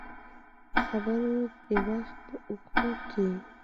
د خبرو د وخت په اوږدو کې